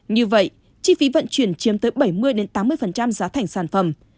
như vậy chi phí vận chuyển chiếm tới bảy mươi tám mươi giá thành sản phẩm